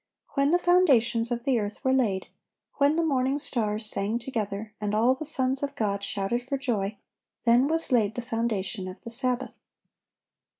When the foundations of the earth were laid, when the morning stars sang together, and all the sons of God shouted for joy, then was laid the foundation of the Sabbath.